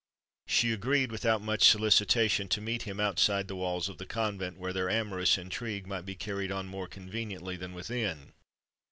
She agreed, without much solicitation, to meet him outside the walls of the convent, where their amorous intrigue might be carried on more conveniently than within.